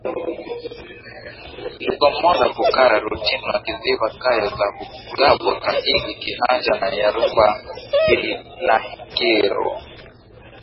Lugomola Bukara Rutinwa Kiziba Kayo za Bugabo Kahigi Kihanja na Nyarubamba Ihangiro